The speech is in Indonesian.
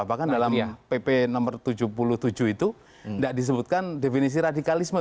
bahkan dalam pp no tujuh puluh tujuh itu tidak disebutkan definisi radikalisme